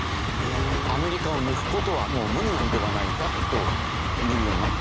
アメリカを抜く事はもう無理なのではないかと見るようになってきた。